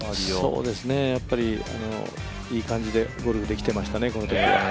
やっぱりいい感じでゴルフできていましたね。